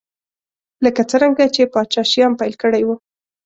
لکه څرنګه چې پاچا شیام پیل کړی و.